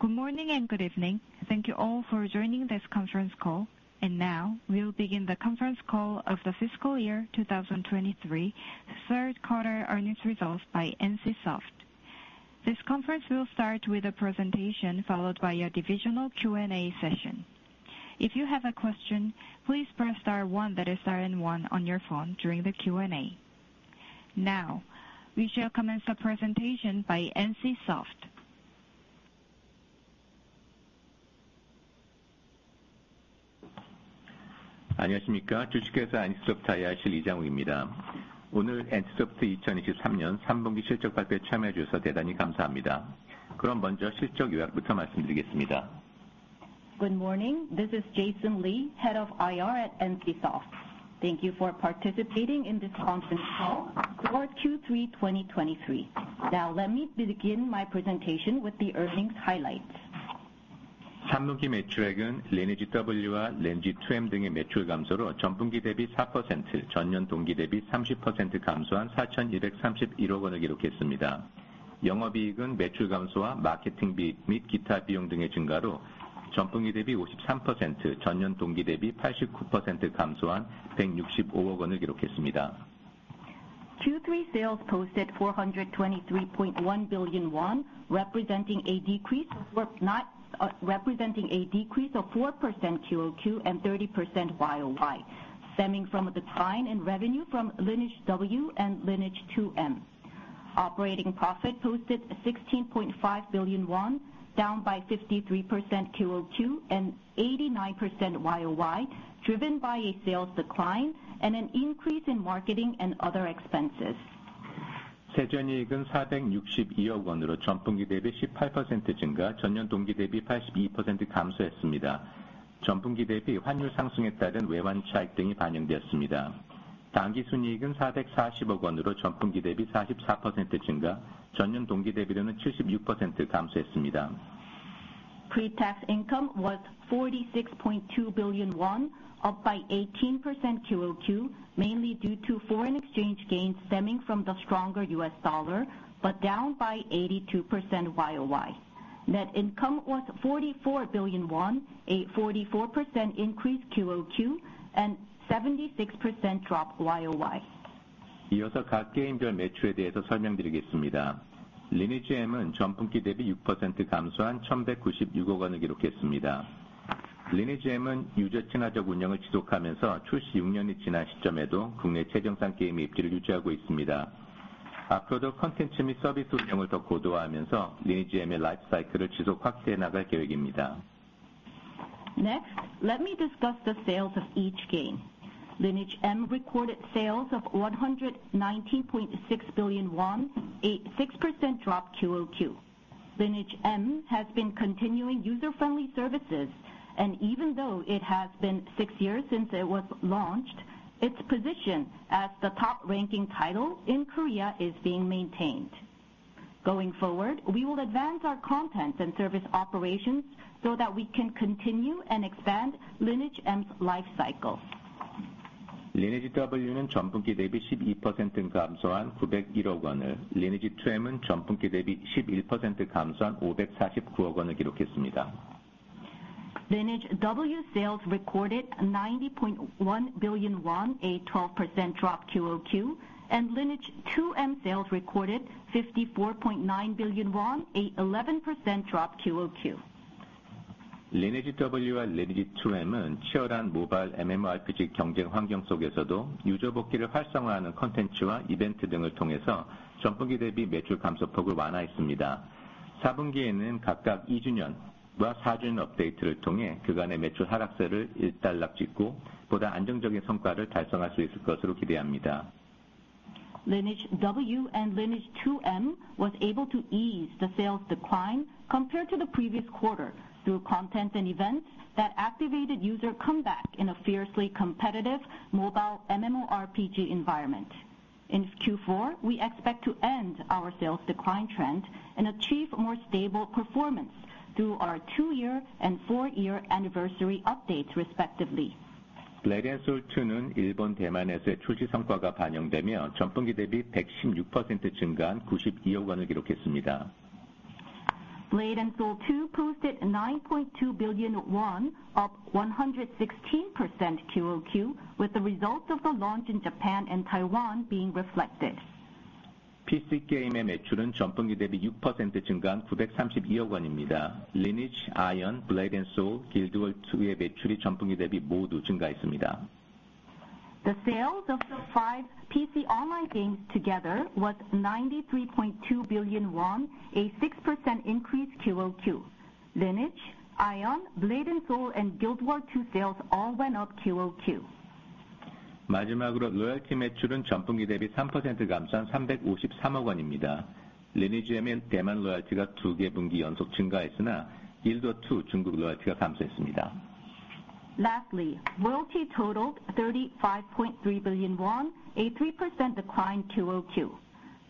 Good morning and good evening. Thank you all for joining this conference call. Now, we'll begin the conference call of the fiscal year 2023, third quarter earnings results by NCSOFT. This conference will start with a presentation followed by a divisional Q&A session. If you have a question, please press star one, that is star and one on your phone during the Q&A. Now, we shall commence the presentation by NCSOFT. Good morning, this is Jason Lee, Head of IR at NCSOFT. Thank you for participating in this conference call for Q3 2023. Now, let me begin my presentation with the earnings highlights. Q3 sales posted KRW 423.1 billion, representing a decrease of 4% QOQ and 30% YOY, stemming from a decline in revenue from Lineage W and Lineage 2M. Operating profit posted 16.5 billion won, down by 53% QOQ, and 89% YOY, driven by a sales decline and an increase in marketing and other expenses. Pre-tax income was 46.2 billion won, up by 18% QOQ, mainly due to foreign exchange gains stemming from the stronger U.S. dollar, but down by 82% YOY. Net income was 44 billion won, a 44% increase QOQ, and 76% drop YOY. Next, let me discuss the sales of each game. Lineage M recorded sales of 190.6 billion won, a 6% drop QoQ. Lineage M has been continuing user-friendly services, and even though it has been 6 years since it was launched, its position as the top-ranking title in Korea is being maintained. Going forward, we will advance our content and service operations so that we can continue and expand Lineage M's life cycle. Lineage W sales recorded 90.1 billion, a 12% drop QoQ, and Lineage 2M sales recorded 54.9 billion won, an 11% drop QoQ. Lineage W and Lineage 2M was able to ease the sales decline compared to the previous quarter through content and events that activated user comeback in a fiercely competitive mobile MMORPG environment. In Q4, we expect to end our sales decline trend and achieve more stable performance through our two-year and four-year anniversary updates respectively. KRW 9.2 billion, up 116% QOQ, with the results of the launch in Japan and Taiwan being reflected. The sales of the five PC online games together was KRW 93.2 billion, a 6% increase QOQ. Lineage, Aion, Blade & Soul, and Guild Wars 2 sales all went up QOQ. Lastly, royalty totaled 35.3 billion won, a 3% decline QOQ.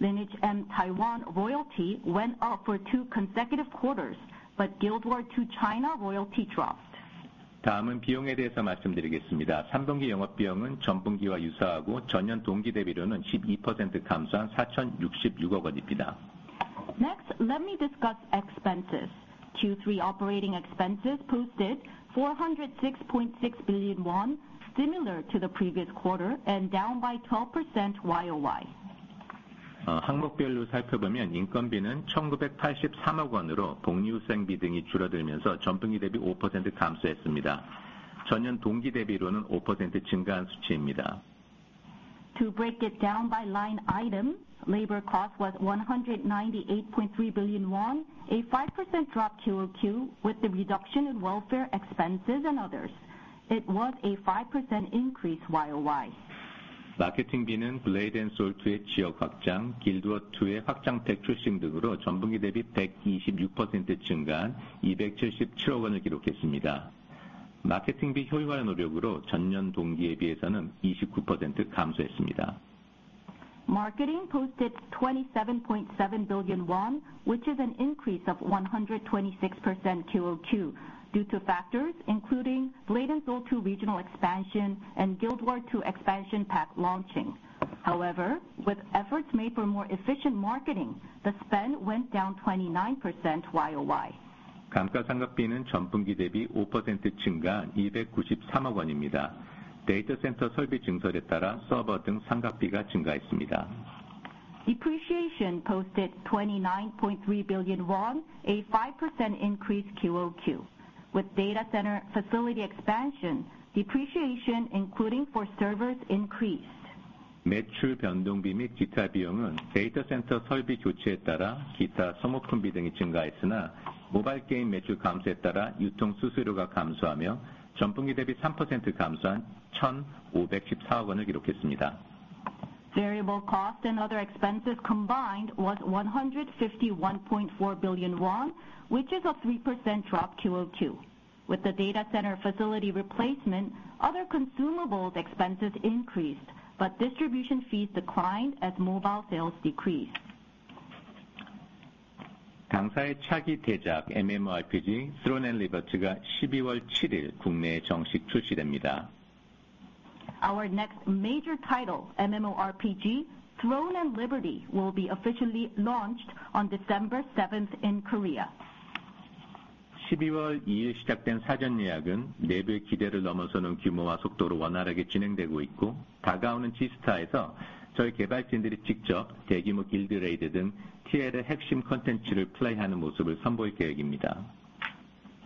Lineage M Taiwan royalty went up for two consecutive quarters, but Guild Wars 2 China royalty dropped. 다음은 비용에 대해서 말씀드리겠습니다. 3분기 영업비용은 전 분기와 유사하고 전년 동기 대비로는 12% 감소한 4,666억원입니다. Next, let me discuss expenses. Q3 operating expenses posted 406.6 billion won, similar to the previous quarter and down by 12% YOY. 항목별로 살펴보면 인건비는 1,983억원으로 복리후생비 등이 줄어들면서 전 분기 대비 5% 감소했습니다. 전년 동기 대비로는 5% 증가한 수치입니다. To break it down by line item, labor cost was 198.3 billion won, a 5% drop QOQ with the reduction in welfare expenses and others. It was a 5% increase YOY. expansion of Blade & Soul 2, the release of the Guild Wars 2 expansion pack, etc. Due to marketing expense efficiency efforts, it decreased 29% year-over-year. Marketing posted KRW 27.7 billion, which is an increase of 126% QOQ, due to factors including Blade & Soul 2 regional expansion and Guild Wars 2 expansion pack launching. However, with efforts made for more efficient marketing, the spend went down 29% YOY. 감가상각비는 전 분기 대비 5% 증가한 293억원입니다. 데이터센터 설비 증설에 따라 서버 등 상각비가 증가했습니다. Depreciation posted 29.3 billion won, a 5% increase QOQ. With data center facility expansion, depreciation, including for servers, increased. 매출 변동비 및 기타 비용은 데이터센터 설비 교체에 따라 기타 소모품비 등이 증가했으나, 모바일 게임 매출 감소에 따라 유통 수수료가 감소하며 전 분기 대비 3% 감소한 1,514억원을 기록했습니다. Variable cost and other expenses combined was 151.4 billion won, which is a 3% drop QOQ. With the data center facility replacement, other consumables expenses increased, but distribution fees declined as mobile sales decreased. 당사의 차기 대작 MMORPG, Throne and Liberty가 12월 7일 국내에 정식 출시됩니다. Our next major title, MMORPG, Throne and Liberty, will be officially launched on December seventh in Korea. at a scale and speed exceeding internal expectations, and at the upcoming G-STAR, our developers plan to directly showcase playing core content of TL such as large-scale guild raids.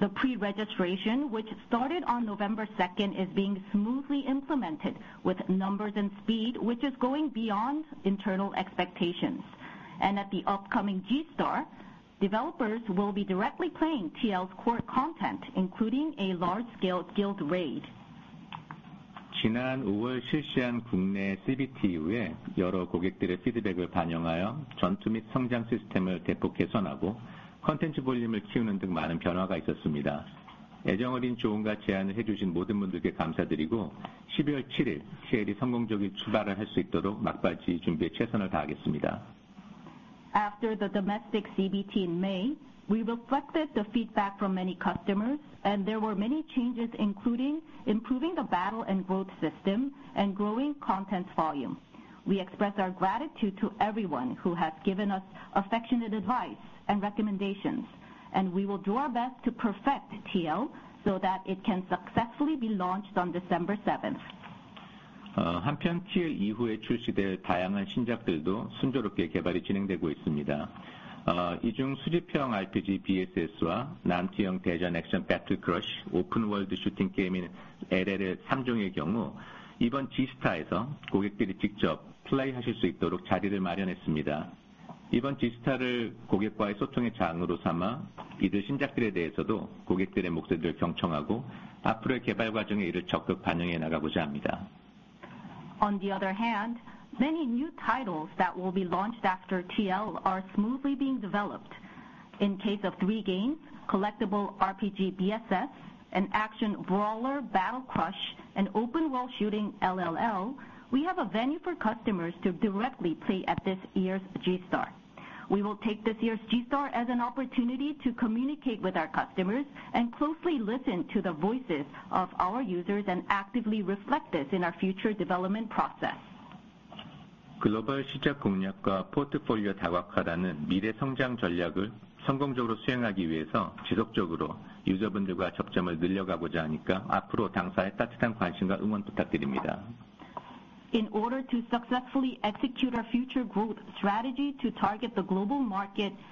The pre-registration, which started on November second, is being smoothly implemented with numbers and speed, which is going beyond internal expectations. At the upcoming G-STAR, developers will be directly playing TL's core content, including a large-scale guild raid. 지난 5월 실시한 국내 CBT 이후에 여러 고객들의 피드백을 반영하여 전투 및 성장 시스템을 대폭 개선하고 콘텐츠 볼륨을 키우는 등 많은 변화가 있었습니다. 애정 어린 조언과 제안을 해주신 모든 분들께 감사드리고, 12월 7일 TL이 성공적인 출발을 할수 있도록 막바지 준비에 최선을 다하겠습니다. After the domestic CBT in May, we reflected the feedback from many customers and there were many changes, including improving the battle and growth system and growing content volume. We express our gratitude to everyone who has given us affectionate advice and recommendations, and we will do our best to perfect TL so that it can successfully be launched on December seventh. 한편, TL 이후에 출시될 다양한 신작들도 순조롭게 개발이 진행되고 있습니다. 이중 수집형 RPG, BSS와 남치형 대전 액션 배틀 크러쉬, 오픈월드 슈팅 게임인 LLL 삼종의 경우, 이번 지스타에서 고객들이 직접 플레이 하실 수 있도록 자리를 마련했습니다. 이번 지스타를 고객과의 소통의 장으로 삼아, 이들 신작들에 대해서도 고객들의 목소리를 경청하고, 앞으로의 개발 과정에 이를 적극 반영해 나가고자 합니다. On the other hand, many new titles that will be launched after TL are smoothly being developed. In case of three games, collectible RPG BSS, an action brawler Battle Crush, and open world shooting LLL, we have a venue for customers to directly play at this year's G-STAR. We will take this year's G-STAR as an opportunity to communicate with our customers and closely listen to the voices of our users, and actively reflect this in our future development process. 글로벌 시장 공략과 포트폴리오 다각화라는 미래 성장 전략을 성공적으로 수행하기 위해서 지속적으로 유저분들과 접점을 늘려가고자 하니까 앞으로 당사에 따뜻한 관심과 응원 부탁드립니다. In order to successfully execute our future growth strategy to target the global market and to diversify our portfolio, we are going to continuously increase touch points with our users. Going forward, we will be asking for your warm interest and support for our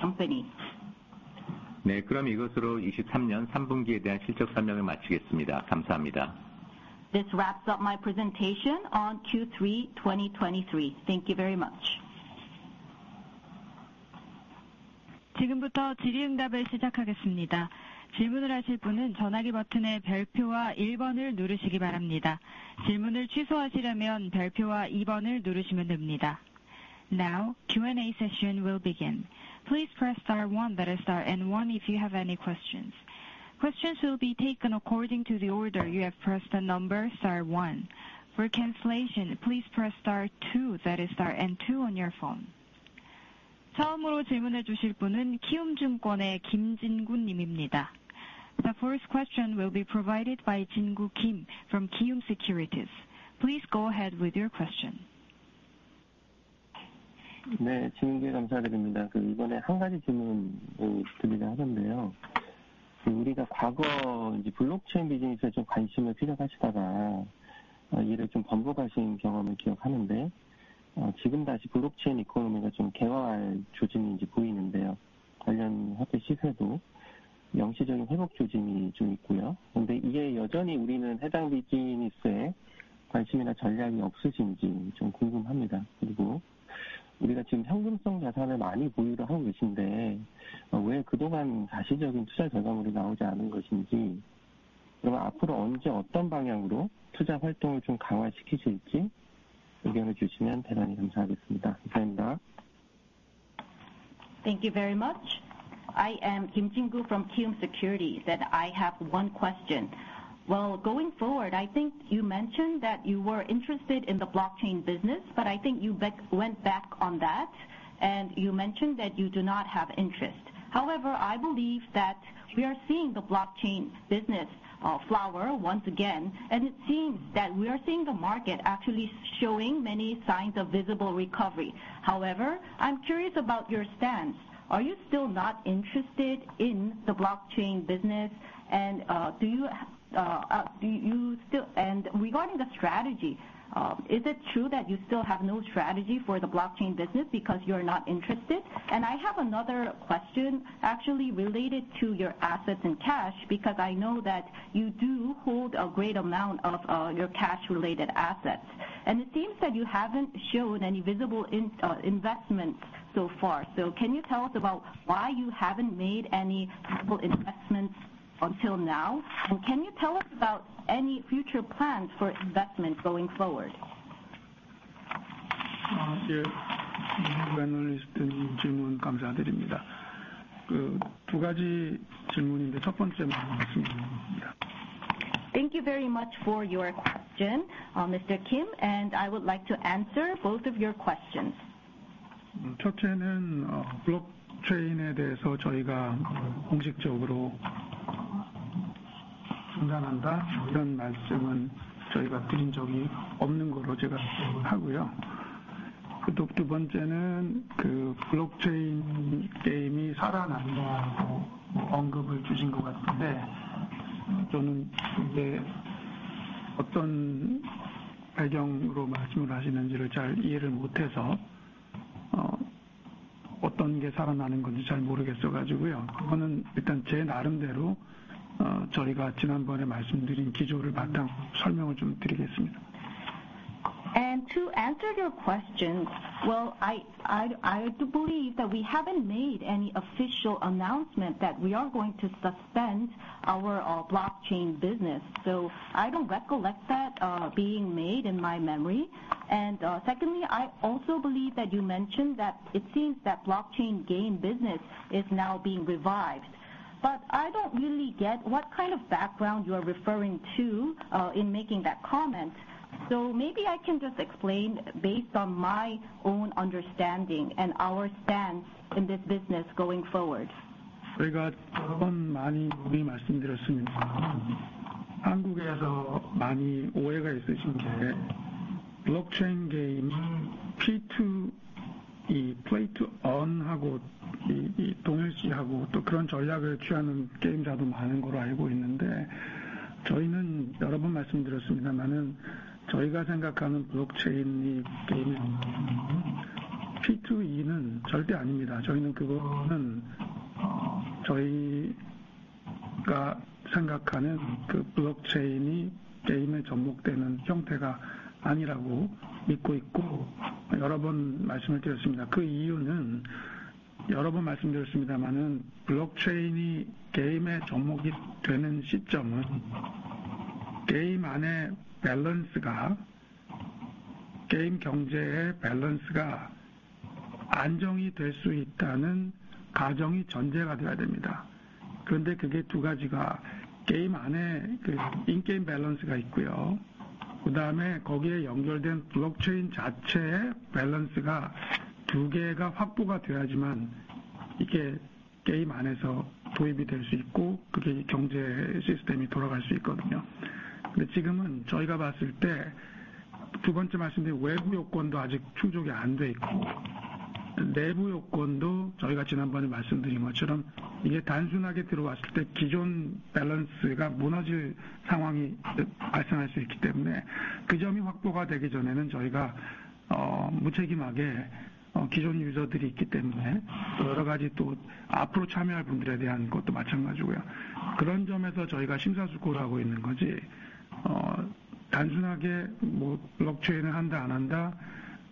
company. 네, 그럼 이것으로 2023년 3분기에 대한 실적 설명을 마치겠습니다. 감사합니다. This wraps up my presentation on Q3 2023. Thank you very much! 지금부터 질의응답을 시작하겠습니다. 질문을 하실 분은 전화기 버튼의 별표와 일번을 누르시기 바랍니다. 질문을 취소하시려면 별표와 이번을 누르시면 됩니다. Now, Q&A session will begin. Please press star one, then star and one if you have any questions.... Questions will be taken according to the order you have pressed the number star one. For cancellation, please press star two, that is star and two on your phone. The first question will be provided by Kim Jin-gu from Kiwoom Securities. Please go ahead with your question. Thank you very much. I am Kim Jin-gu from Kiwoom Securities, and I have one question. Well, going forward, I think you mentioned that you were interested in the blockchain business, but I think you back, went back on that and you mentioned that you do not have interest. However, I believe that we are seeing the blockchain business, flower once again, and it seems that we are seeing the market actually showing many signs of visible recovery. However, I'm curious about your stance. Are you still not interested in the blockchain business? And, do you, do you still... And regarding the strategy, is it true that you still have no strategy for the blockchain business because you are not interested? I have another question actually related to your assets and cash, because I know that you do hold a great amount of your cash related assets, and it seems that you haven't shown any visible investment so far. Can you tell us about why you haven't made any possible investments until now? And can you tell us about any future plans for investment going forward? Yeah. Thank you very much for your question, Mr. Kim, and I would like to answer both of your questions. To answer your questions, well, I do believe that we haven't made any official announcement that we are going to suspend our blockchain business, so I don't recollect that being made in my memory. Secondly, I also believe that you mentioned that it seems that blockchain game business is now being revived, but I don't really get what kind of background you are referring to in making that comment. So maybe I can just explain based on my own understanding and our stance in this business going forward.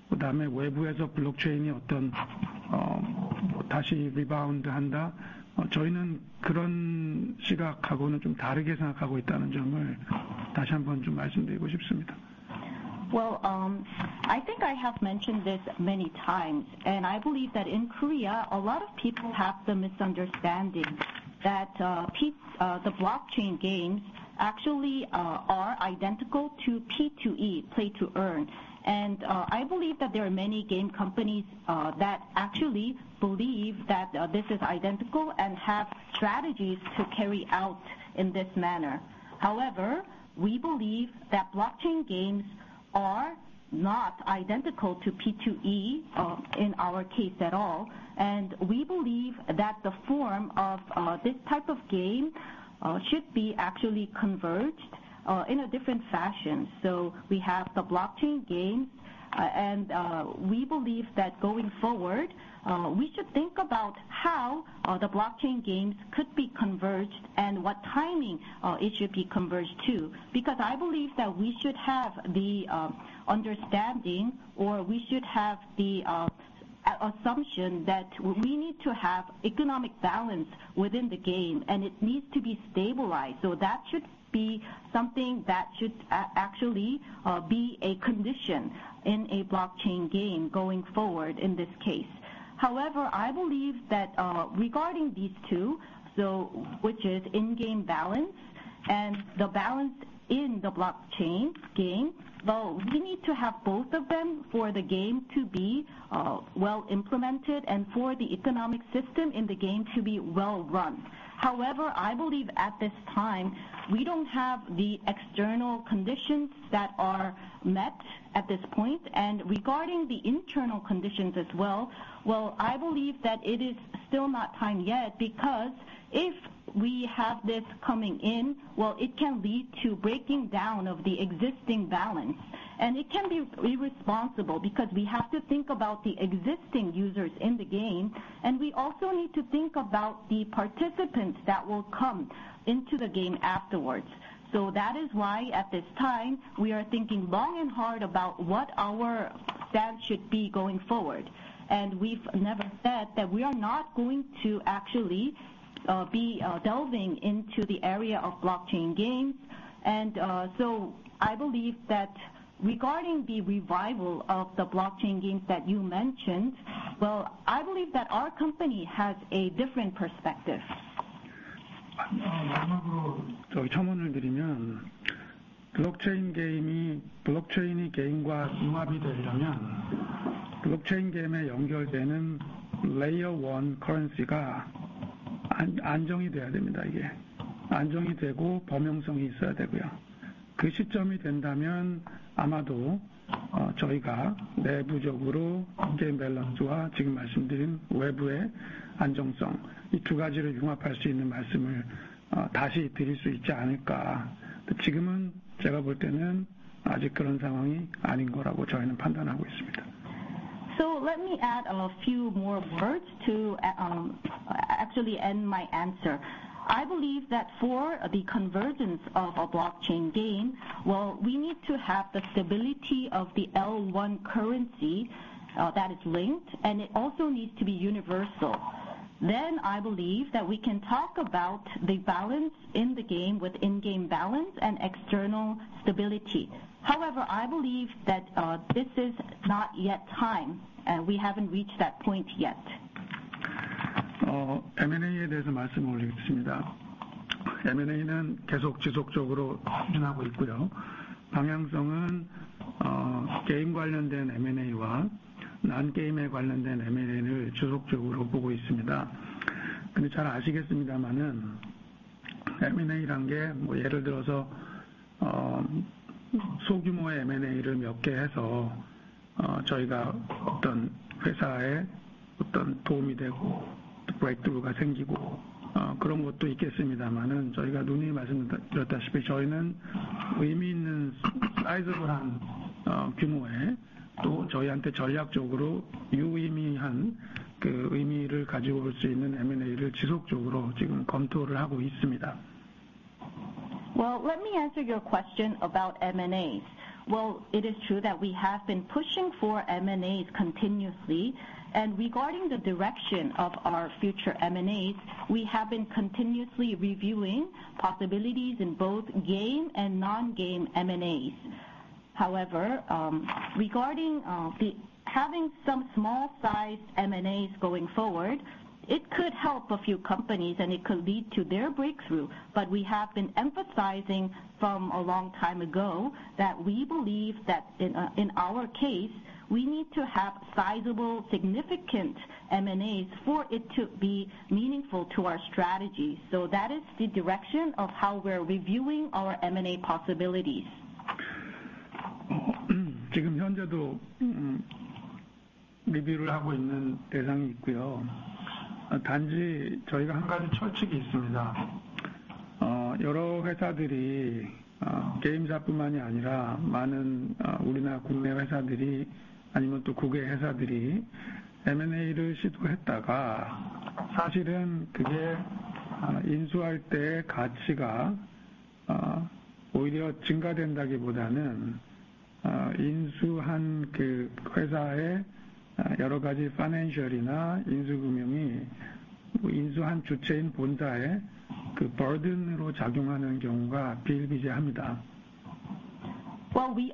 Well, I think I have mentioned this many times, and I believe that in Korea, a lot of people have the misunderstanding that the blockchain games actually are identical to P2E, play to earn. I believe that there are many game companies that actually believe that this is identical and have strategies to carry out in this manner. However, we believe that blockchain games are not identical to P2E in our case at all, and we believe that the form of this type of game should be actually converged in a different fashion. So we have the blockchain game, and we believe that going forward we should think about how the blockchain games could be converged and what timing it should be converged to. Because I believe that we should have the understanding or we should have the assumption that we need to have economic balance within the game, and it needs to be stabilized. So that should be something that should actually be a condition in a blockchain game going forward in this case. However, I believe that regarding these two, so which is in-game balance and the balance in the blockchain game, well, we need to have both of them for the game to be well implemented and for the economic system in the game to be well run. However, I believe at this time, we don't have the external conditions that are met at this point. Regarding the internal conditions as well, well, I believe that it is still not time yet, because if we have this coming in, well, it can lead to breaking down of the existing balance. It can be irresponsible, because we have to think about the existing users in the game, and we also need to think about the participants that will come into the game afterwards. So that is why, at this time, we are thinking long and hard about what our stance should be going forward. We've never said that we are not going to actually be delving into the area of blockchain games. So I believe that regarding the revival of the blockchain games that you mentioned, well, I believe that our company has a different perspective. So let me add a few more words to actually end my answer. I believe that for the convergence of a blockchain game, well, we need to have the stability of the L1 currency that is linked, and it also needs to be universal. Then, I believe that we can talk about the balance in the game with in-game balance and external stability. However, I believe that this is not yet time, and we haven't reached that point yet. M&A. Well, let me answer your question about M&As. Well, it is true that we have been pushing for M&As continuously, and regarding the direction of our future M&As, we have been continuously reviewing possibilities in both game and non-game M&As. However, regarding having some small-sized M&As going forward, it could help a few companies, and it could lead to their breakthrough. But we have been emphasizing from a long time ago that we believe that in our case, we need to have sizable, significant M&As for it to be meaningful to our strategy. So that is the direction of how we're reviewing our M&A possibilities. Well, we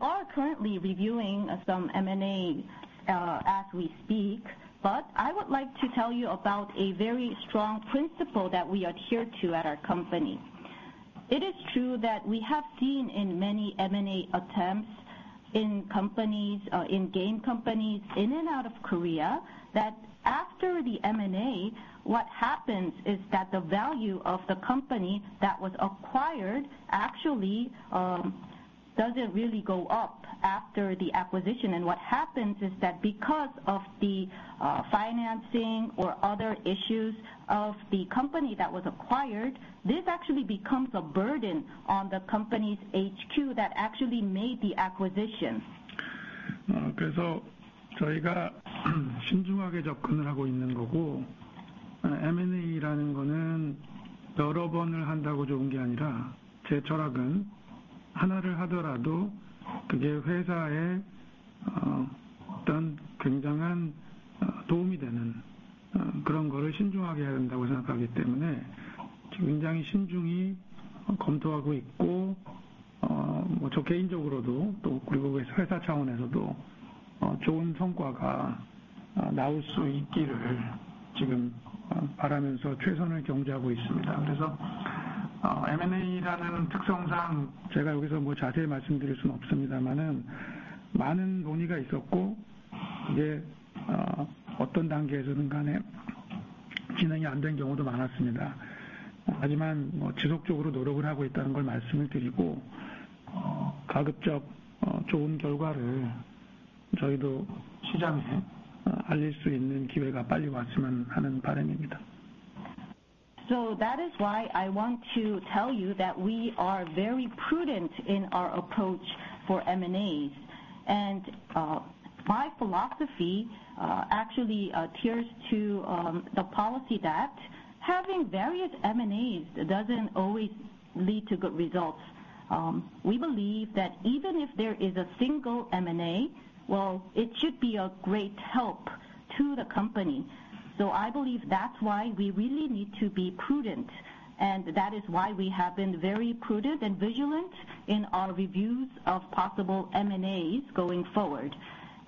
are currently reviewing some M&A as we speak, but I would like to tell you about a very strong principle that we adhere to at our company. It is true that we have seen in many M&A attempts in game companies in and out of Korea, that after the M&A, what happens is that the value of the company that was acquired actually doesn't really go up after the acquisition. What happens is that because of the financing or other issues of the company that was acquired, this actually becomes a burden on the company's HQ that actually made the acquisition. So that is why I want to tell you that we are very prudent in our approach for M&As. My philosophy actually adheres to the policy that having various M&As doesn't always lead to good results. We believe that even if there is a single M&A, well, it should be a great help to the company. So I believe that's why we really need to be prudent, and that is why we have been very prudent and vigilant in our reviews of possible M&As going forward.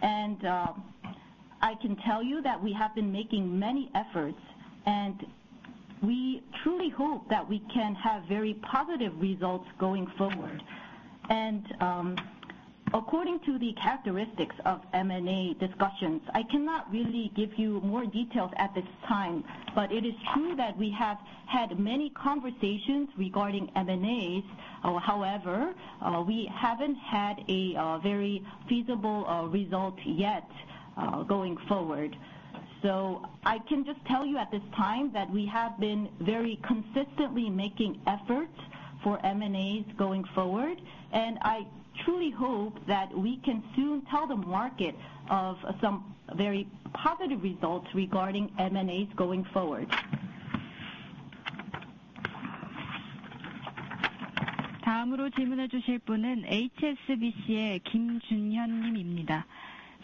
I can tell you that we have been making many efforts, and we truly hope that we can have very positive results going forward. According to the characteristics of M&A discussions, I cannot really give you more details at this time, but it is true that we have had many conversations regarding M&As. However, we haven't had a very feasible result yet, going forward. So I can just tell you at this time that we have been very consistently making efforts for M&As going forward, and I truly hope that we can soon tell the market of some very positive results regarding M&As going forward.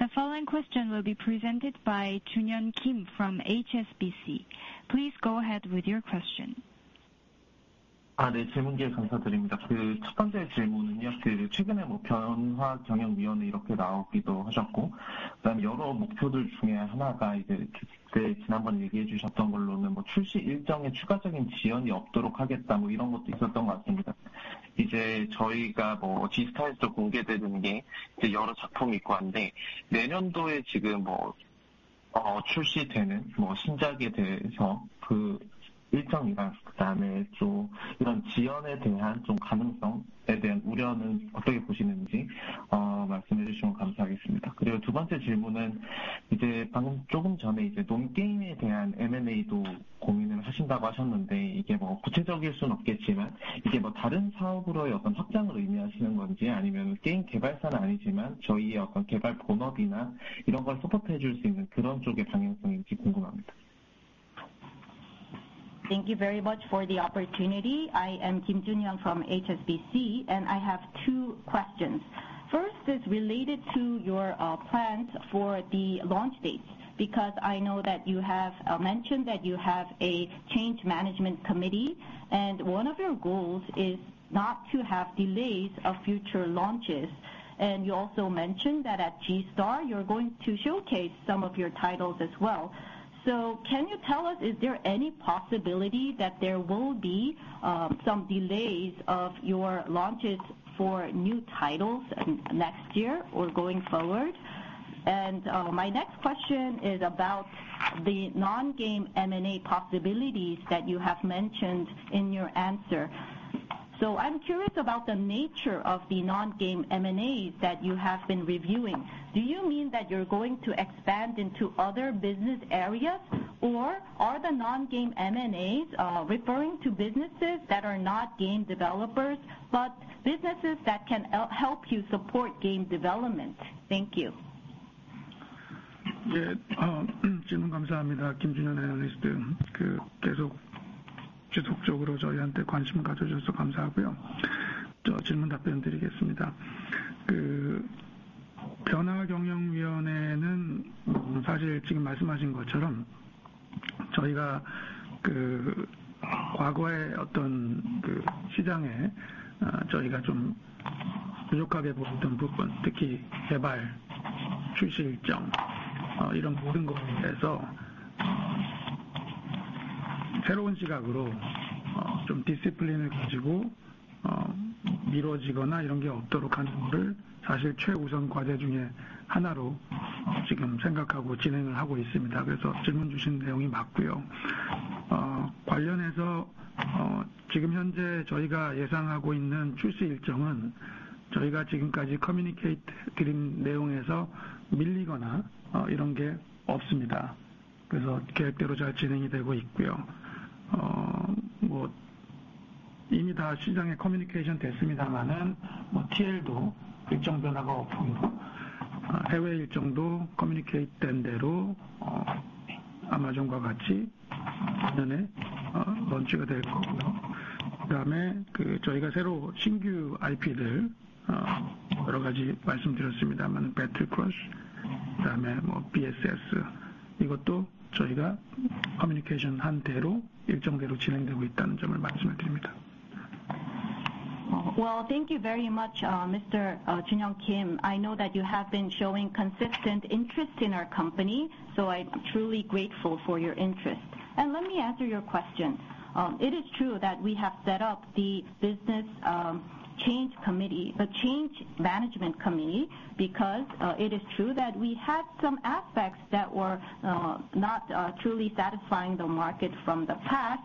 The following question will be presented by Kim Junyoung from HSBC. Please go ahead with your question. Thank you very much for the opportunity. I am Kim Junyoung from HSBC, and I have two questions. First is related to your plans for the launch date, because I know that you have mentioned that you have a Change Management Committee, and one of your goals is not to have delays of future launches. And you also mentioned that at G-STAR, you're going to showcase some of your titles as well. So can you tell us, is there any possibility that there will be some delays of your launches for new titles next year or going forward? And my next question is about the non-game M&A possibilities that you have mentioned in your answer. So I'm curious about the nature of the non-game M&As that you have been reviewing. Do you mean that you're going to expand into other business areas, or are the non-game M&As referring to businesses that are not game developers, but businesses that can help you support game development? Thank you. Yeah, thank you for the question, Kim Junyoung analyst. Thank you for your continued interest in us. I will answer the question. 변화경영위원회는 사실 지금 말씀하신 것처럼 저희가 그 과거의 어떤 그 시장에 저희가 좀 부족하게 보였던 부분, 특히 개발 출시 일정, 이런 모든 것에 대해서 새로운 시각으로 좀 디시플린을 가지고 미뤄지거나 이런 게 없도록 하는 거를 사실 최우선 과제 중에 하나로 지금 생각하고 진행을 하고 있습니다. 그래서 질문 주신 내용이 맞고요. 관련해서 지금 현재 저희가 예상하고 있는 출시 일정은 저희가 지금까지 커뮤니케이트 드린 내용에서 밀리거나 이런 게 없습니다. 그래서 계획대로 잘 진행이 되고 있고요. 뭐 이미 다 시장에 커뮤니케이션 됐습니다마는 뭐 TL도 일정 변화가 없고, 해외 일정도 커뮤니케이트된 대로 아마존과 같이 내년에 런치가 될 거고요. 그다음에 저희가 새로 신규 IP들 여러 가지 말씀드렸습니다마는 배틀크러시, 그다음에 BSS 이것도 저희가 커뮤니케이션한 대로 일정대로 진행되고 있다는 점을 말씀을 드립니다. Well, thank you very much, Mr. Kim Junyoung. I know that you have been showing consistent interest in our company, so I'm truly grateful for your interest. And let me answer your question. It is true that we have set up the business change committee, a Change Management Committee, because it is true that we had some aspects that were not truly satisfying the market from the past.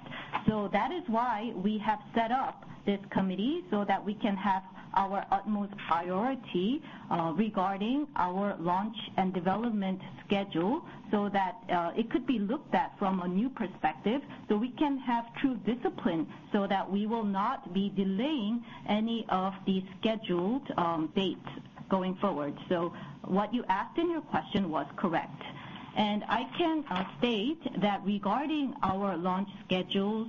So that is why we have set up this committee so that we can have our utmost priority regarding our launch and development schedule so that it could be looked at from a new perspective, so we can have true discipline so that we will not be delaying any of the scheduled dates going forward. So what you asked in your question was correct, and I can state that regarding our launch schedules,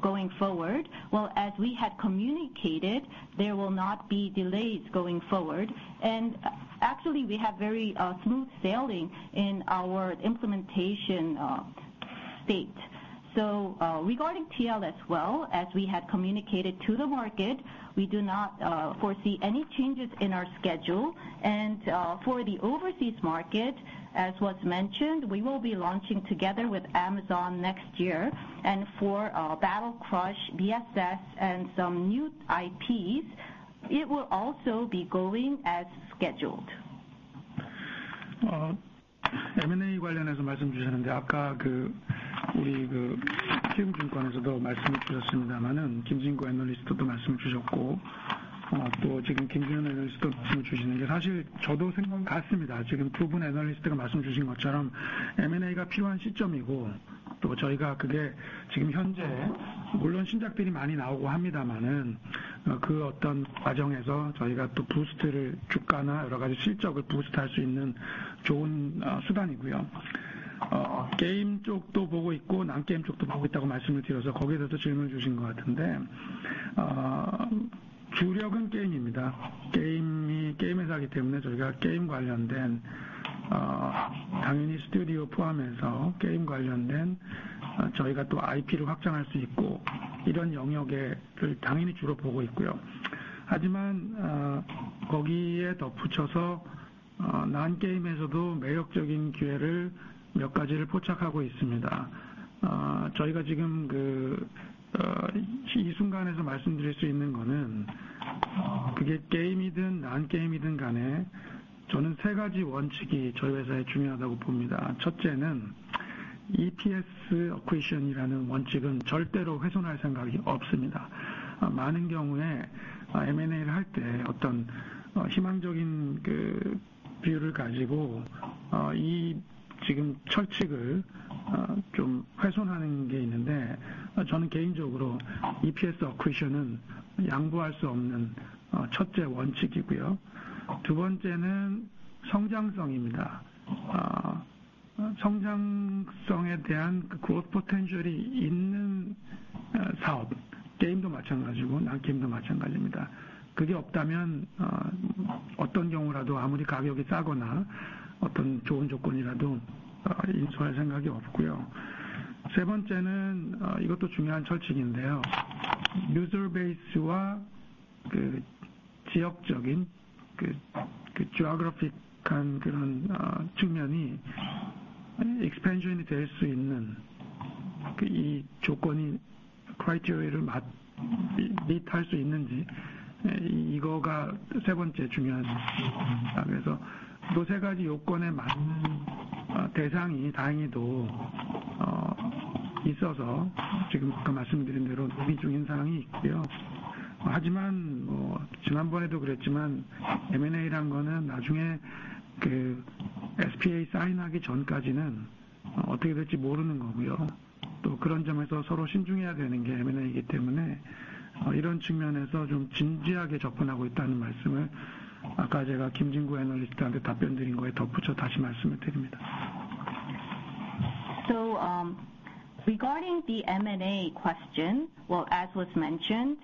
going forward. Well, as we had communicated, there will not be delays going forward. And actually, we have very smooth sailing in our implementation state. So, regarding TL, as well as we had communicated to the market, we do not foresee any changes in our schedule. And, for the overseas market, as was mentioned, we will be launching together with Amazon next year and for Battle Crush, BSS and some new IPs. It will also be going as scheduled. M&A 관련해서 말씀 주셨는데 아까 그 우리 그 키움증권에서도 말씀을 주셨습니다마는 김진구 애널리스트도 말씀을 주셨고, 또 지금 김재연 애널리스트도 말씀을 주시는데, 사실 저도 생각은 같습니다. 지금 두분 애널리스트가 말씀해 주신 것처럼 M&A가 필요한 시점이고, 또 저희가 그게 지금 현재 물론 신작들이 많이 나오고 합니다마는 그 어떤 과정에서 저희가 또 부스트를 주가나 여러 가지 실적을 부스트할 수 있는 좋은 수단이고요. 게임 쪽도 보고 있고, 난 게임 쪽도 보고 있다고 말씀을 드려서 거기서도 질문을 주신 것 같은데, 주력은 게임입니다. 게임이 게임회사이기 때문에 저희가 게임 관련된 당연히 스튜디오 포함해서 게임 관련된 저희가 또 아이피를 확장할 수 있고, 이런 영역에 당연히 주로 보고 있고요. 하지만 거기에 덧붙여서 난 게임에서도 매력적인 기회를 몇 가지를 포착하고 있습니다. 저희가 지금 그이 순간에서 말씀드릴 수 있는 거는 그게 게임이든 난 게임이든 간에 저는 세 가지 원칙이 저희 회사에 중요하다고 봅니다. 첫째는 EPS accretion이라는 원칙은 절대로 훼손할 생각이 없습니다. 많은 경우에 M&A를 할때 어떤 희망적인 그 비율을 가지고, 이 지금 철칙을 좀 훼손하는 게 있는데, 저는 개인적으로 EPS accretion은 양보할 수 없는 첫째 원칙이고요. 두 번째는 성장성입니다. 성장성에 대한 그 potential이 있는 사업, 게임도 마찬가지고 난 게임도 마찬가지입니다. 그게 없다면, 어떤 경우라도 아무리 가격이 싸거나 어떤 좋은 조건이라도 인수할 생각이 없고요. 세 번째는, 이것도 중요한 철칙인데요. user base와 그 지역적인 그 geographic한 그런 측면이 expansion이 될수 있는 그 조건이 criteria를 meet할 수 있는지, 이거가 세 번째 중요한 것입니다. 그래서 또세 가지 요건에 맞는 대상이 다행히도 있어서 지금 아까 말씀드린 대로 논의 중인 사항이 있고요. 하지만 뭐 지난번에도 그랬지만, M&A라는 거는 나중에 그 SPA sign하기 전까지는 어떻게 될지 모르는 거고요. 또 그런 점에서 서로 신중해야 되는 게 M&A이기 때문에, 이런 측면에서 좀 진지하게 접근하고 있다는 말씀을 아까 제가 김진구 애널리스트한테 답변드린 것에 덧붙여 다시 말씀을 드립니다. So, regarding the M&A question, well, as was mentioned,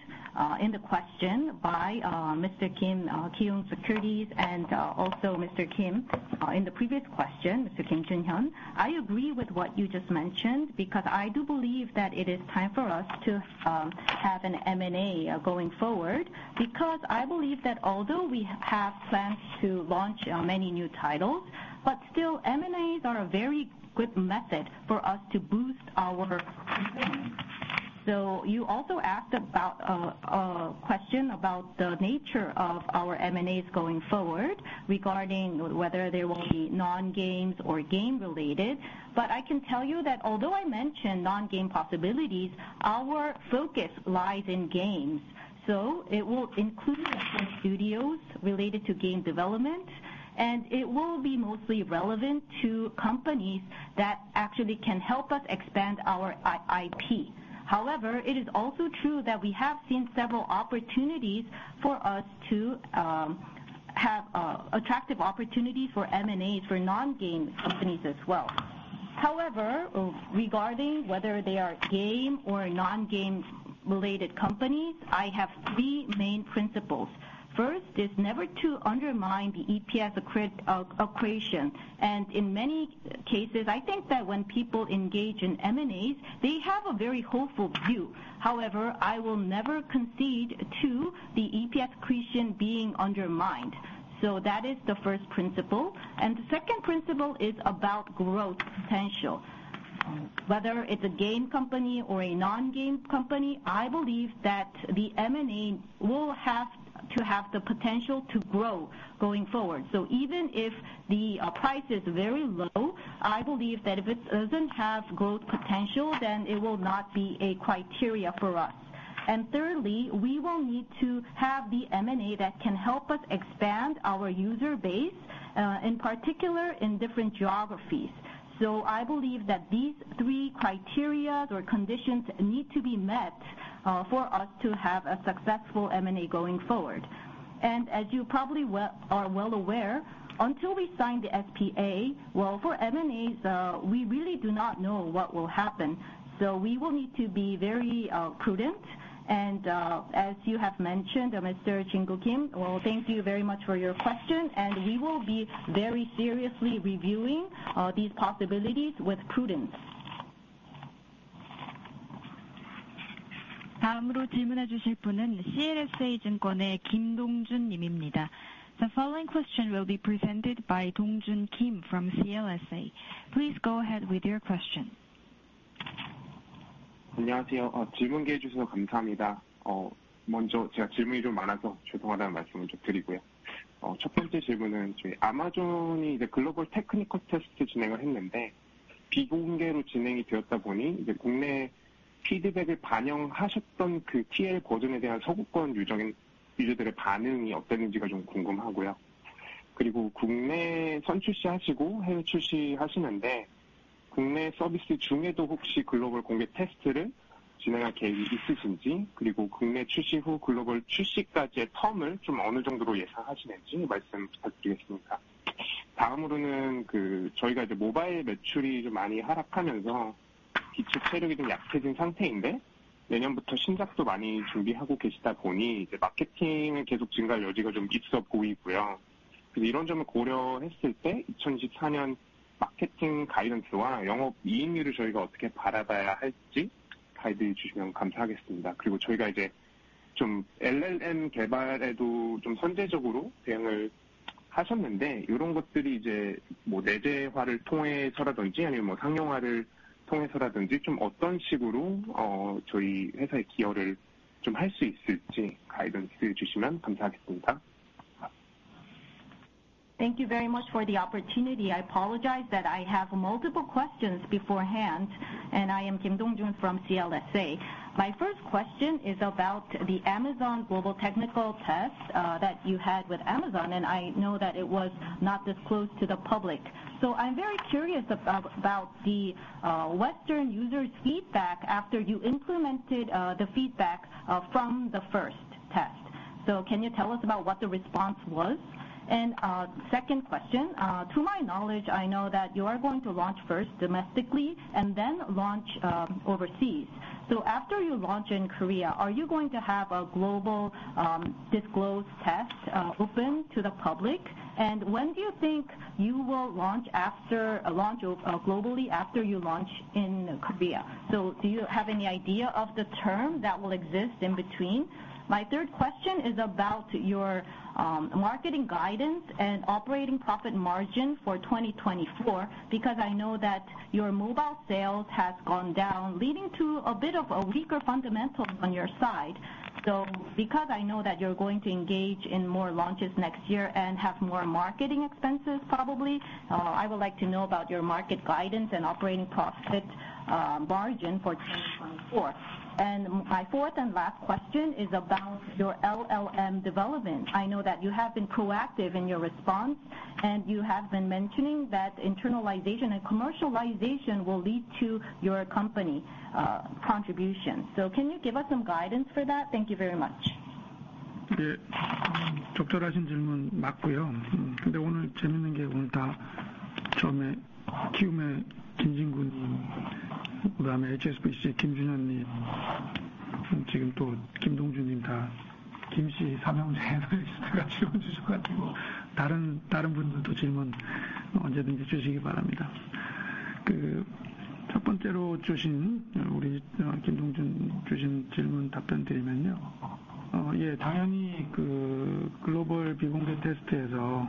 in the question by Mr. Kim Jin-gu, Kiwoom Securities, and also Mr. Kim in the previous question, Mr. Kim Junyoung, I agree with what you just mentioned, because I do believe that it is time for us to have an M&A going forward. Because I believe that although we have plans to launch many new titles, but still M&As are a very good method for us to boost our company. So you also asked about a question about the nature of our M&As going forward, regarding whether they will be non-games or game related. But I can tell you that although I mentioned non-game possibilities, our focus lies in games. So it will include different studios related to game development, and it will be mostly relevant to companies that actually can help us expand our IP. However, it is also true that we have seen several opportunities for us to have attractive opportunity for M&A for non-game companies as well. However, regarding whether they are game or non-game related companies, I have three main principles. First, is never to undermine the EPS accretion. And in many cases, I think that when people engage in M&As, they have a very hopeful view. However, I will never concede to the EPS accretion being undermined. So that is the first principle. And the second principle is about growth potential. Whether it's a game company or a non-game company, I believe that the M&A will have to have the potential to grow going forward. So even if the price is very low, I believe that if it doesn't have growth potential, then it will not be a criteria for us. And thirdly, we will need to have the M&A that can help us expand our user base, in particular, in different geographies. So I believe that these three criterias or conditions need to be met, for us to have a successful M&A going forward. And as you probably are well aware, until we sign the SPA, well, for M&As, we really do not know what will happen, so we will need to be very prudent. And, as you have mentioned, Mr. Kim Jin-gu, well, thank you very much for your question, and we will be very seriously reviewing these possibilities with prudence. The following question will be presented by Kim Dong Joon from CLSA. Please go ahead with your question. Thank you very much for the opportunity. I apologize that I have multiple questions beforehand, and I am Kim Dong Joon from CLSA. My first question is about the Amazon global technical test that you had with Amazon, and I know that it was not disclosed to the public. So I'm very curious about the Western users' feedback after you implemented the feedback from the first test. So can you tell us about what the response was? And second question, to my knowledge, I know that you are going to launch first domestically and then launch overseas. So after you launch in Korea, are you going to have a global disclosed test open to the public? And when do you think you will launch after launch globally after you launch in Korea? So do you have any idea of the term that will exist in between? My third question is about your marketing guidance and operating profit margin for 2024, because I know that your mobile sales has gone down, leading to a bit of a weaker fundamental on your side. So because I know that you're going to engage in more launches next year and have more marketing expenses, probably, I would like to know about your market guidance and operating profit margin for 2024. And my fourth and last question is about your LLM development. I know that you have been proactive in your response, and you have been mentioning that internalization and commercialization will lead to your company contribution. So can you give us some guidance for that? Thank you very much.... 예, 적절하신 질문 맞고요. 근데 오늘 재밌는 게 오늘 다 처음에 키움의 김진구 님, 그다음에 HSBC 김준영 님, 지금 또 김동준 님다 김씨 삼형제가 지원해 주셔가지고, 다른, 다른 분들도 질문 언제든지 주시기 바랍니다. 그첫 번째로 주신 우리 김동준 주신 질문 답변 드리면요. 예, 당연히 그 글로벌 비공개 테스트에서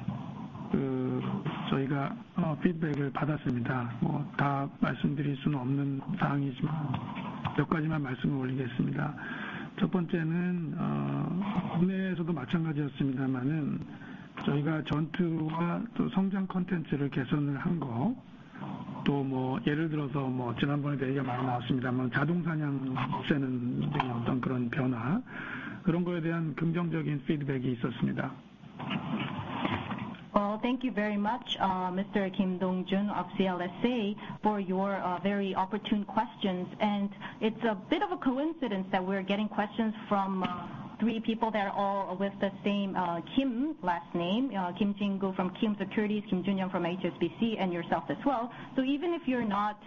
그 저희가 피드백을 받았습니다. 뭐다 말씀드릴 수는 없는 사항이지만, 몇 가지만 말씀을 올리겠습니다. 첫 번째는 국내에서도 마찬가지였습니다마는 저희가 전투와 또 성장 콘텐츠를 개선을 한 거, 또뭐 예를 들어서 뭐 지난번에 얘기가 많이 나왔습니다만, 자동 사냥 세는 어떤 그런 변화, 그런 거에 대한 긍정적인 피드백이 있었습니다. Well, thank you very much, Mr. Kim Dong Joon of CLSA, for your very opportune questions. It's a bit of a coincidence that we're getting questions from three people that are all with the same Kim last name, Kim Jingu from Kiwoom Securities, Kim Junyoung from HSBC, and yourself as well. So even if you're not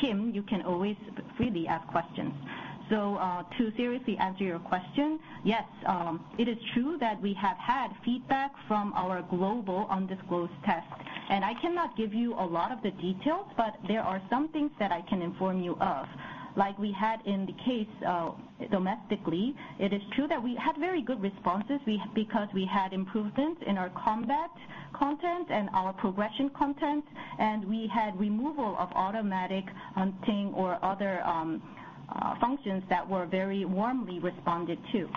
Kim, you can always freely ask questions. So, to seriously answer your question, yes, it is true that we have had feedback from our global undisclosed test, and I cannot give you a lot of the details, but there are some things that I can inform you of. Like we had in the case of domestically, it is true that we had very good responses. We, because we had improvements in our combat content and our progression content, and we had removal of automatic hunting or other functions that were very warmly responded to.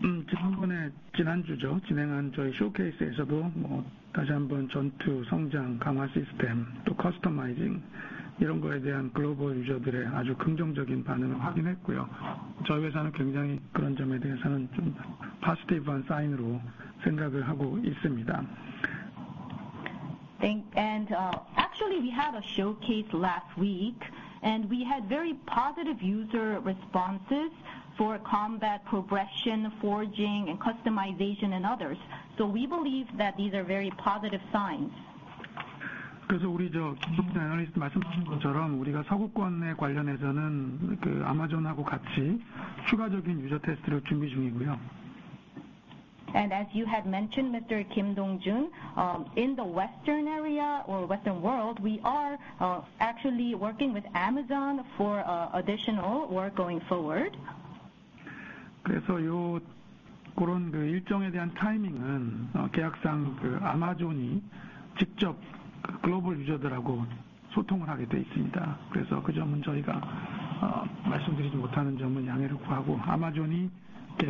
지난번에 지난주죠. 진행한 저희 쇼케이스에서도 뭐 다시 한번 전투 성장 강화 시스템, 또 커스터마이징 이런 거에 대한 글로벌 유저들의 아주 긍정적인 반응을 확인했고요. 저희 회사는 굉장히 그런 점에 대해서는 좀 포지티브한 사인으로 생각을 하고 있습니다. Actually, we had a showcase last week, and we had very positive user responses for combat progression, forging, and customization, and others. So we believe that these are very positive signs. 그래서 우리 저 김석환 애널리스트 말씀하신 것처럼 우리가 서구권에 관련해서는 그 아마존하고 같이 추가적인 유저 테스트를 준비 중이고요. As you had mentioned, Mr. Kim Dong Joon, in the western area or western world, we are actually working with Amazon for additional work going forward. 그래서, 그런 일정에 대한 타이밍은, 계약상 그 아마존이 직접 글로벌 유저들하고 소통을 하게 돼 있습니다. 그래서 그 점은 저희가, 말씀드리지 못하는 점은 양해를 구하고, 아마존이 계획에 따라서 직접 소통을 할 계획을 갖고 있습니다. So,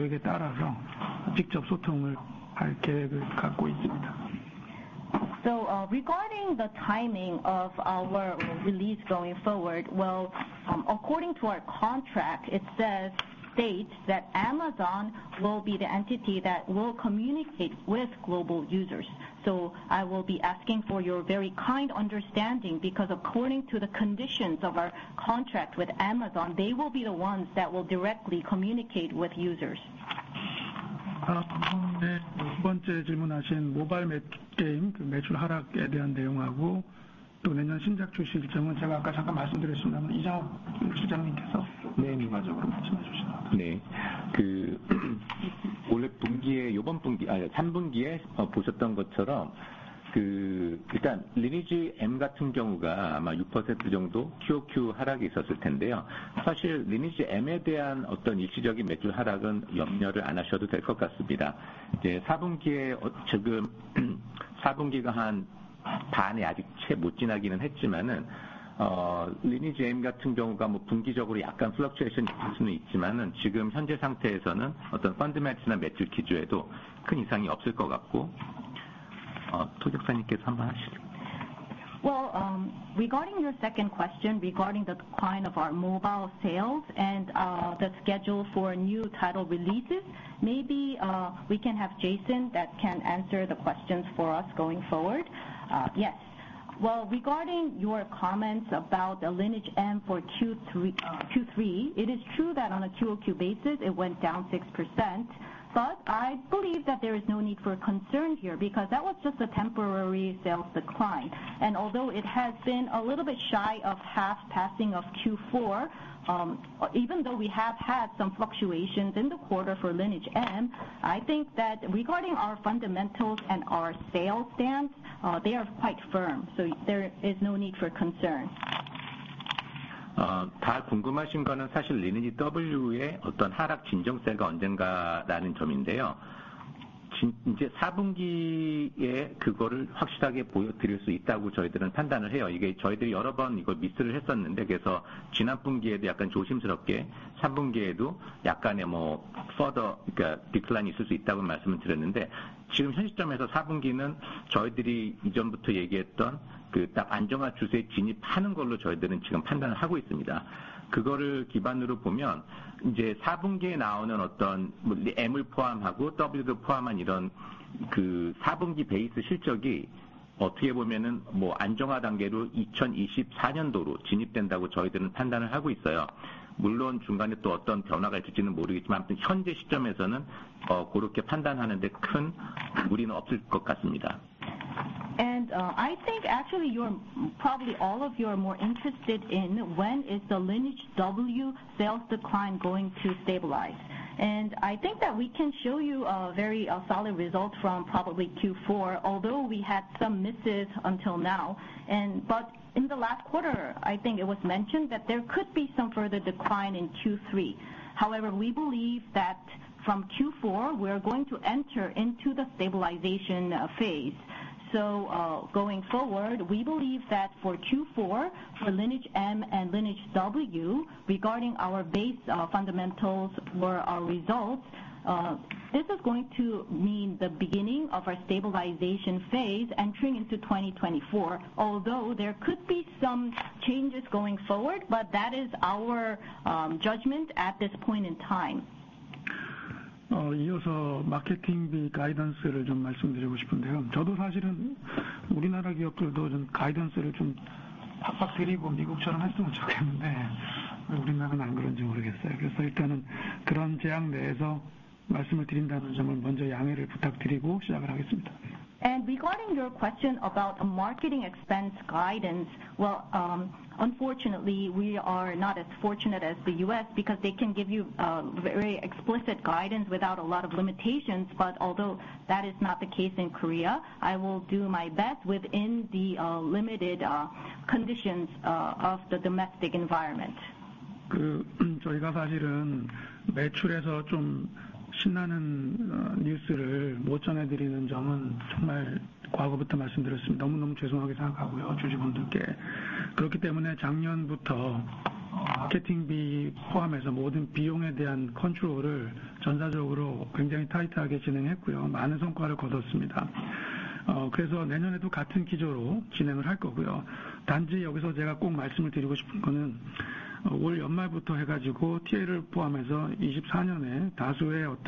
regarding the timing of our release going forward, well, according to our contract, it says, states that Amazon will be the entity that will communicate with global users. So I will be asking for your very kind understanding, because according to the conditions of our contract with Amazon, they will be the ones that will directly communicate with users. 아, 네. 두 번째 질문하신 모바일 게임 매출 하락에 대한 내용하고 또 내년 신작 출시 일정은 제가 아까 잠깐 말씀드렸습니다만, 이장우 주장님께서 네, 종합적으로 말씀해 주시면 감사하겠습니다. 네, 그 올해 분기에, 이번 분기, 아니, 삼 분기에 보셨던 것처럼 그 일단 리니지엠 같은 경우가 아마 6% 정도 QOQ 하락이 있었을 텐데요. 사실 리니지엠에 대한 어떤 일시적인 매출 하락은 염려를 안 하셔도 될것 같습니다. 이제 사 분기에 지금 사 분기가 한 반이 아직 채못 지나기는 했지만은, 리니지엠 같은 경우가 뭐 분기적으로 약간 fluctuation이 있을 수는 있지만은, 지금 현재 상태에서는 어떤 펀드멘탈스나 매출 기조에도 큰 이상이 없을 것 같고. 투석사님께서 한번 하시겠어요? Well, regarding your second question regarding the decline of our mobile sales and the schedule for new title releases, maybe we can have Jason that can answer the questions for us going forward. Yes. Well, regarding your comments about the Lineage M for Q3 2023, it is true that on a QOQ basis, it went down 6%. But I believe that there is no need for concern here, because that was just a temporary sales decline. And although it has been a little bit shy of half passing of Q4, even though we have had some fluctuations in the quarter for Lineage M, I think that regarding our fundamentals and our sales stance, they are quite firm, so there is no need for concern. 다 궁금하신 거는 사실 리니지W의 어떤 하락 진정세가 언젠가라는 점인데요. 이제 사 분기에 그거를 확실하게 보여드릴 수 있다고 저희들은 판단을 해요. 이게 저희들이 여러 번 이걸 미스를 했었는데, 그래서 지난 분기에도 약간 조심스럽게 삼 분기에도 약간의 further, 그러니까 decline이 있을 수 있다고 말씀을 드렸는데, 지금 현 시점에서 사 분기는 저희들이 이전부터 얘기했던 그딱 안정화 추세에 진입하는 걸로 저희들은 지금 판단을 하고 있습니다. 그거를 기반으로 보면, 이제 사 분기에 나오는 어떤 M을 포함하고 W도 포함한 이런 그사 분기 베이스 실적이 어떻게 보면은 안정화 단계로 2024년도로 진입된다고 저희들은 판단을 하고 있어요. 물론 중간에 또 어떤 변화가 있을지는 모르겠지만, 아무튼 현재 시점에서는 그렇게 판단하는데 큰 무리는 없을 것 같습니다. ...And, I think actually you're, probably all of you are more interested in when is the Lineage W sales decline going to stabilize? And I think that we can show you a very, solid result from probably Q4, although we had some misses until now. And but in the last quarter, I think it was mentioned that there could be some further decline in Q3. However, we believe that from Q4, we're going to enter into the stabilization, phase. So, going forward, we believe that for Q4, for Lineage M and Lineage W, regarding our base, fundamentals for our results, this is going to mean the beginning of our stabilization phase entering into 2024. Although there could be some changes going forward, but that is our, judgment at this point in time. in also marketing guidance to the Regarding your question about marketing expense guidance, well, unfortunately, we are not as fortunate as the U.S. because they can give you very explicit guidance without a lot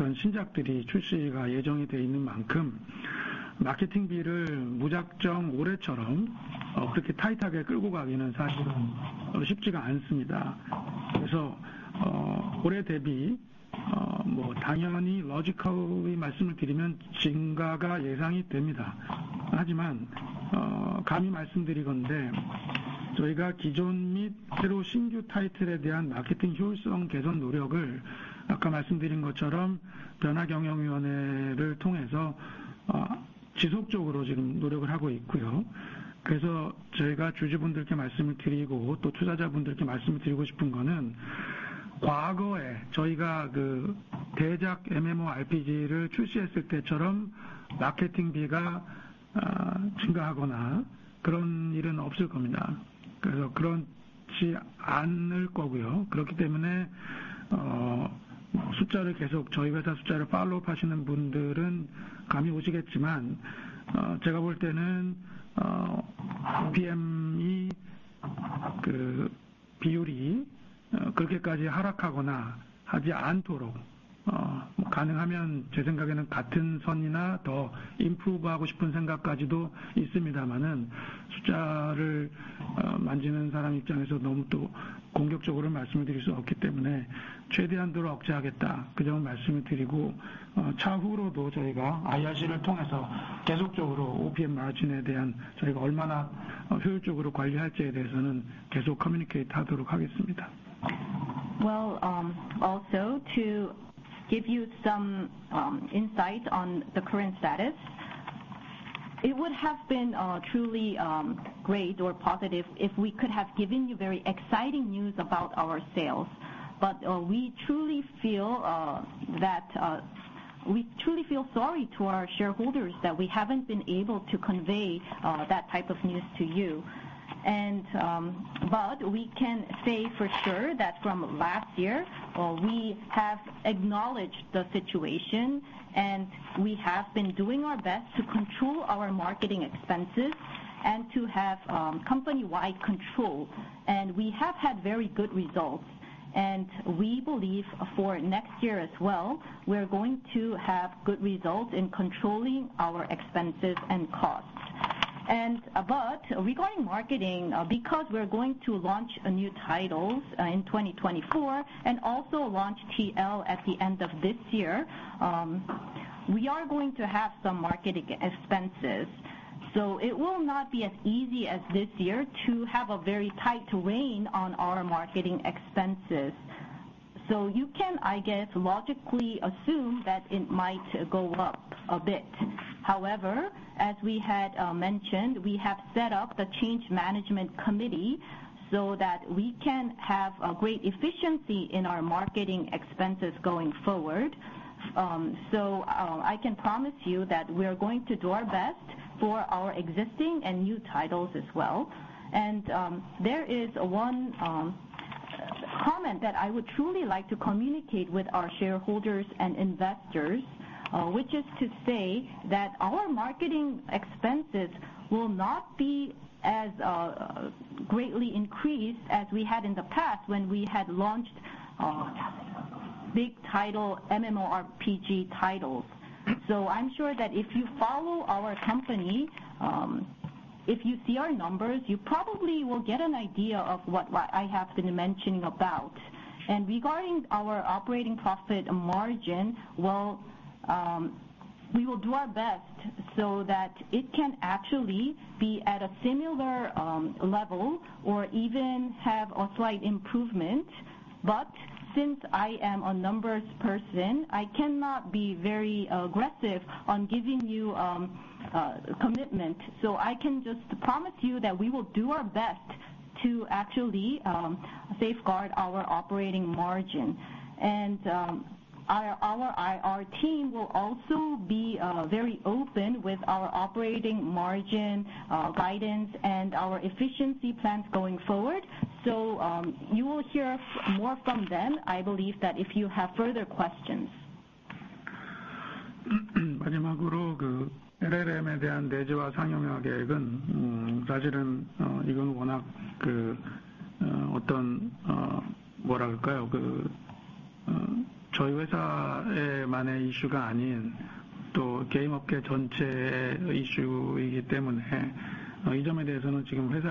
of limitations. But although that is not the case in Korea, I will do my best within the limited conditions of the domestic environment. Well, also to give you some insight on the current status, it would have been truly great or positive if we could have given you very exciting news about our sales. But we truly feel that we truly feel sorry to our shareholders that we haven't been able to convey that type of news to you. But we can say for sure that from last year, we have acknowledged the situation, and we have been doing our best to control our marketing expenses and to have company-wide control. We have had very good results, and we believe for next year as well, we're going to have good results in controlling our expenses and costs. But regarding marketing, because we're going to launch new titles in 2024 and also launch TL at the end of this year, we are going to have some marketing expenses. So it will not be as easy as this year to have a very tight rein on our marketing expenses. So you can, I guess, logically assume that it might go up a bit. However, as we had mentioned, we have set up the Change Management Committee so that we can have a great efficiency in our marketing expenses going forward. So, I can promise you that we are going to do our best for our existing and new titles as well. And, there is one comment that I would truly like to communicate with our shareholders and investors, which is to say that our marketing expenses will not be as greatly increased as we had in the past when we had launched big title, MMORPG titles. So I'm sure that if you follow our company, if you see our numbers, you probably will get an idea of what, what I have been mentioning about. Regarding our operating profit margin, well, we will do our best so that it can actually be at a similar level or even have a slight improvement. But since I am a numbers person, I cannot be very aggressive on giving you a commitment. So I can just promise you that we will do our best to actually safeguard our operating margin. And our IR team will also be very open with our operating margin guidance and our efficiency plans going forward. So you will hear more from them, I believe that if you have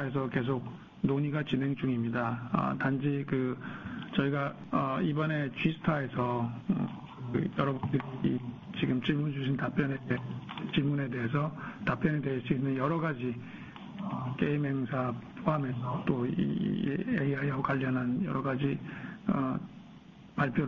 further questions. To answer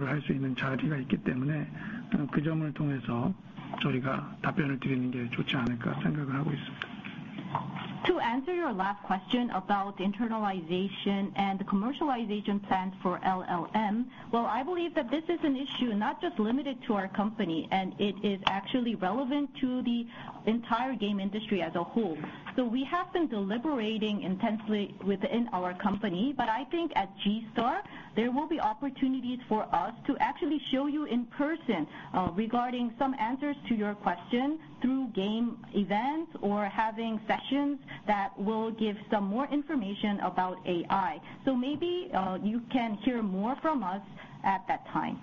your last question about internalization and the commercialization plans for LLM, well, I believe that this is an issue not just limited to our company, and it is actually relevant to the entire game industry as a whole. So we have been deliberating intensely within our company, but I think at G-STAR, there will be opportunities for us to actually show you in person, regarding some answers to your questions through game events or having sessions that will give some more information about AI. So maybe, you can hear more from us at that time.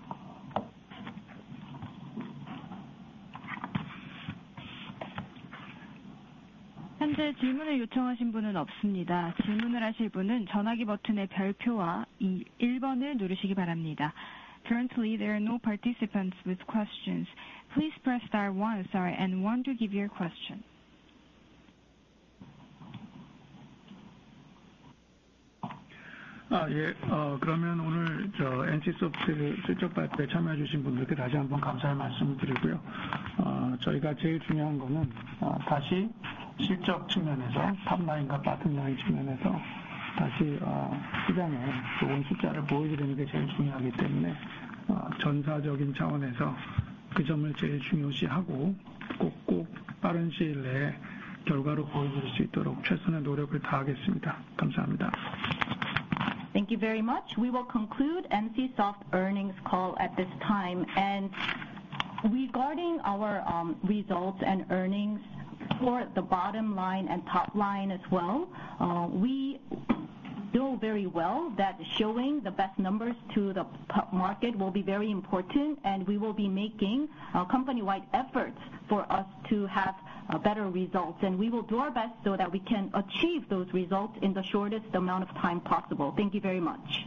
Currently, there are no participants with questions. Please press star one, sorry, and one to give your question. Thank you very much. We will conclude NCSOFT earnings call at this time. And regarding our results and earnings for the bottom line and top line as well, we know very well that showing the best numbers to the market will be very important, and we will be making company-wide efforts for us to have better results. And we will do our best so that we can achieve those results in the shortest amount of time possible. Thank you very much!